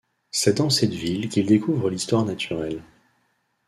C’est dans cette ville qu’il découvre l’histoire naturelle.